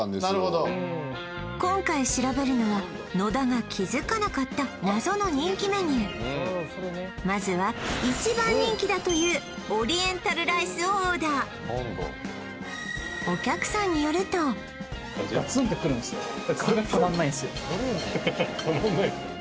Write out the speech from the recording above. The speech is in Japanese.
なるほど今回調べるのは野田が気づかなかった謎の人気メニューまずは一番人気だというオリエンタルライスをオーダーがするんですよ